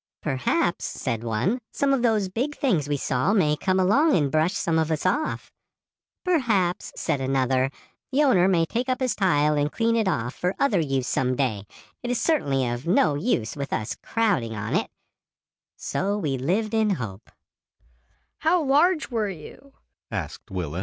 "'Perhaps,' said one, 'some of those big things we saw may come along and brush some of us off.' 'Perhaps,' said another, 'the owner may take up his tile and clean it off for other use some day; it certainly is of no use with us crowding on it.' So we lived in hope." "How large were you?"